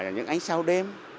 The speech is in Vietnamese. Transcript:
những ánh sao đêm